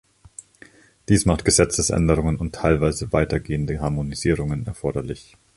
Dies macht Gesetzesänderungen und teilweise weitergehende Harmonisierungen erforderlich.